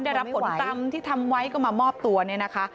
ได้รับผลกรรมที่ทำไว้ก็มามอบตัวเนี่ยนะคะ